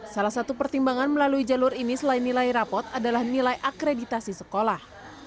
salah satu pertimbangan melalui jalur ini selain nilai rapot adalah nilai akreditasi sekolah